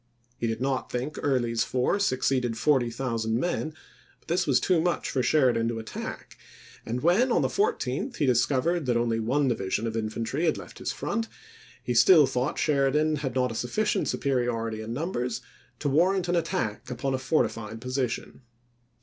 He did not think Early's force exceeded forty thousand men, but this was too much for Sheridan to attack ; and when, on the 14th, he discovered that only one division of infantry had left his front, he still thought Sheridan had not a sufficient superiority in numbers to warrant an attack upon a fortified position.